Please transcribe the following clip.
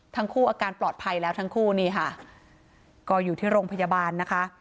ทั้งคู่อาการปลอดภัยแล้วทั้งคู่นี่ค่ะก็อยู่ที่โรงพยาบาลนะคะ